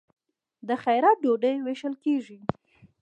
د خیرات ډوډۍ ویشل کیږي.